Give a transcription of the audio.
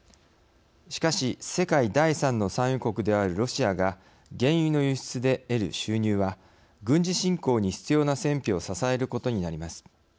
しかし世界第３位の産油国であるロシアが原油の輸出で得る収入は軍事侵攻に必要な戦費を支えることになります。